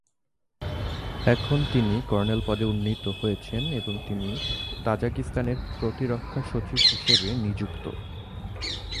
এখন তিনি কর্নেল পদে উন্নীত হয়েছেন এবং তিনি তাজিকিস্তানের প্রতিরক্ষা সচিব হিসেবে নিযুক্ত।